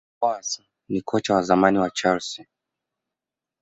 boas ni kocha wa zamani wa chelsea